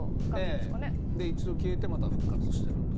一度消えて、また復活したと。